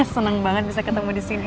seneng banget bisa ketemu disini